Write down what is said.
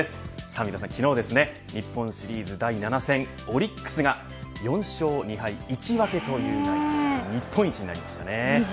三田さん、昨日は日本シリーズ第７戦オリックスが４勝２敗１分けということで日本一になりましたね。